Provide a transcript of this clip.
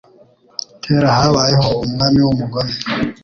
Kera, habayeho umwami w'umugome.